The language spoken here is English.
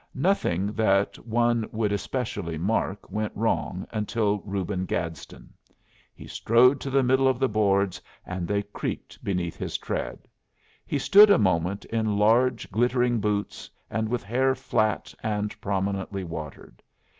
Nothing that one would especially mark went wrong until Reuben Gadsden. He strode to the middle of the boards, and they creaked beneath his tread. He stood a moment in large glittering boots and with hair flat and prominently watered.